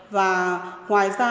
và ngoài ra